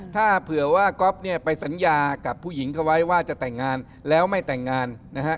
ถ้าเผื่อว่าก๊อฟเนี่ยไปสัญญากับผู้หญิงเขาไว้ว่าจะแต่งงานแล้วไม่แต่งงานนะฮะ